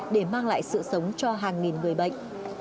để mang lại sự sống cho hàng nghìn người bệnh